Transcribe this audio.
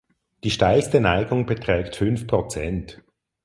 Die steilste Neigung beträgt fünf Prozent.